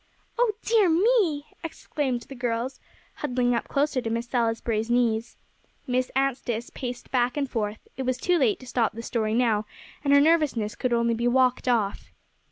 "Oh dear me!" exclaimed the girls, huddling up closer to Miss Salisbury's knees. Miss Anstice paced back and forth; it was too late to stop the story now, and her nervousness could only be walked off.